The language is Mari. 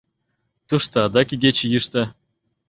Тушто адак игече йӱштӧ.